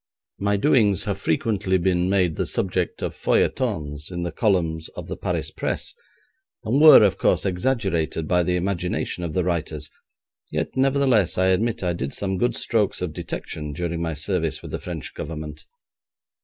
My doings have frequently been made the subject of feuilletons in the columns of the Paris Press, and were, of course, exaggerated by the imagination of the writers, yet, nevertheless, I admit I did some good strokes of detection during my service with the French Government.